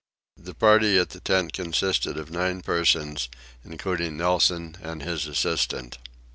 The party at the tent consisted of nine persons, including Nelson and his assistant.